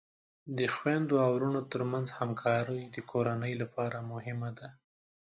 د خویندو او ورونو ترمنځ همکاری د کورنۍ لپاره مهمه ده.